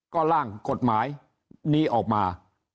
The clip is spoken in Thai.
ก็ร่างกฎหมายนี้ออกมา